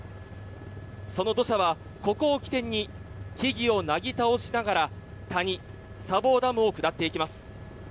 その土砂は、ここを起点に木々をなぎ倒しながら谷、砂防ダムを下っていきます。